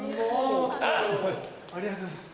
ありがとうございます